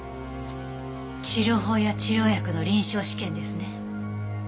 治療法や治療薬の臨床試験ですね。